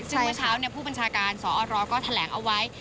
ซึ่งเมื่อเช้าผู้บัญชาการสอรก็แถลงเอาไว้